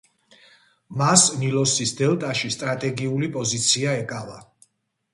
მას ნილოსის დელტაში სტრატეგიული პოზიცია ეკავა.